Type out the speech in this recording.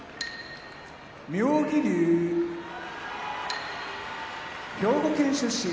妙義龍兵庫県出身